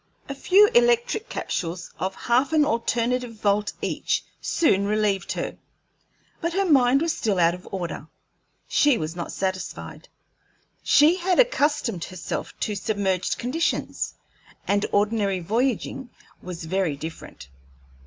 A few electric capsules of half an alterative volt each soon relieved her; but her mind was still out of order; she was not satisfied. She had accustomed herself to submerged conditions, and ordinary voyaging was very different.